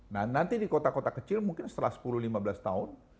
nah nanti di kota kota kecil mungkin setelah sepuluh lima belas tahun